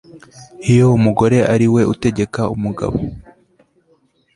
iyo umugore ari we utegeka umugabo